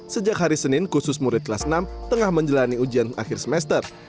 sejak hari senin khusus murid kelas enam tengah menjalani ujian akhir semester